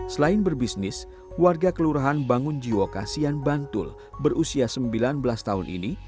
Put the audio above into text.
selain berbisnis warga kelurahan bangun jiwokasian bantul berusia sembilan belas tahun ini